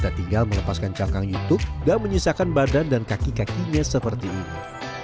mereka tinggal melepaskan cangkang youtube dan menyisakan badan dan kaki kakinya seperti ini